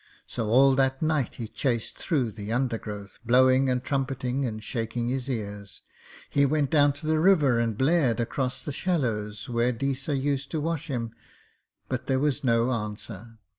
So all that night he chased through the undergrowth, blowing and trumpeting and shaking his ears. He went down to the river and blared across the shallows where Deesa used to wash him, but there was no answer.